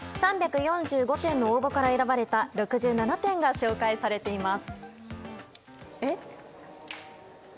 ３４５件の応募から選ばれた６７点が紹介されています。